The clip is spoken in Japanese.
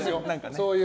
そういう。